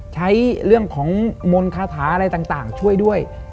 ใช้เรื่องของมนต์คาถาอะไรต่างช่วยด้วย